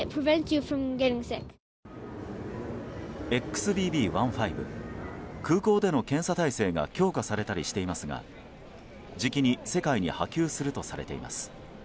ＸＢＢ．１．５空港での検査体制が強化されたりしていますがじきに世界に波及するとされています。